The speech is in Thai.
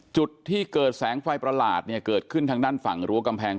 จุดที่เกิดแสงไฟประหลาดเนี่ยเกิดขึ้นทางด้านฝั่งรั้วกำแพง